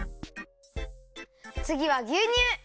つぎはぎゅうにゅう。